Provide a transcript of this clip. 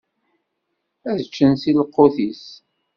Ad ččen si lqut-is.